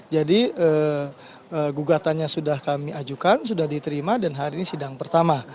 jadi gugatannya sudah kami ajukan sudah diterima dan hari ini sidang pertama